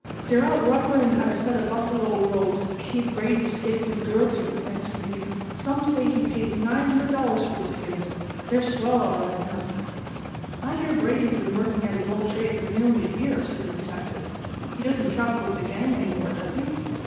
"Dey're out rubberin' at a set of buffalo robes Kid Brady staked his girl to," answered the youth. "Some say he paid $900 for de skins. Dey're swell all right enough." "I hear Brady has been working at his old trade for nearly a year," said the detective. "He doesn't travel with the gang any more, does he?"